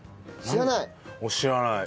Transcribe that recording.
知らない。